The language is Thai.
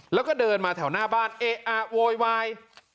แล้วก็เดินมาแถวหน้าบ้านเอ๊ะอะโวยวาย